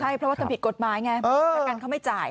ใช่เพราะว่าทำผิดกฎหมายไงประกันเขาไม่จ่าย